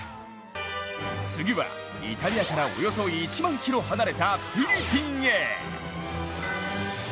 次はイタリアからおよそ１万ｋｍ離れたフィリピンへ。